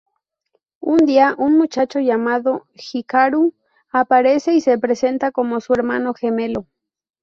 Un día, un muchacho llamado Hikaru aparece y se presenta como su hermano gemelo.